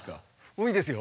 多いですよ。